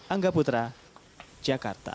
angga putra jakarta